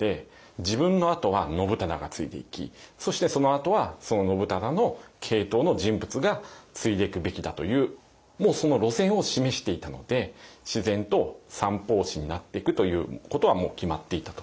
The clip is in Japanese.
自分のあとは信忠が継いでいきそしてそのあとはその信忠の系統の人物が継いでいくべきだというもうその路線を示していたので自然と三法師になってくということはもう決まっていたと。